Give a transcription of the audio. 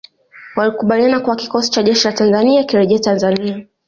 Walikubaliana kuwa kikosi cha jeshi la Tanzania kirejee Tanzania